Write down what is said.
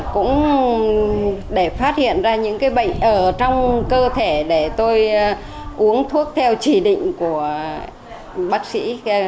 cũng để phát hiện ra những bệnh ở trong cơ thể để tôi uống thuốc theo chỉ định của bác sĩ